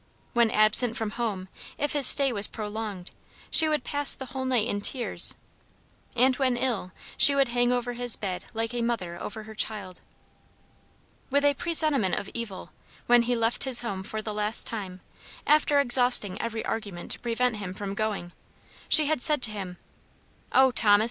When absent from home, if his stay was prolonged, she would pass the whole night in tears; and when ill, she would hang over his bed like a mother over her child. With a presentiment of evil, when he left his home for the last time, after exhausting every argument to prevent him from going, she had said to him, "Oh, Thomas!